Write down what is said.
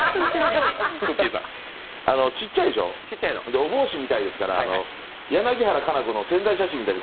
小さいでしょ、お帽子みたいですから柳原可奈子の宣材写真みたいに。